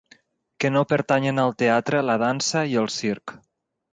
Que no pertanyen al teatre, la dansa i el circ.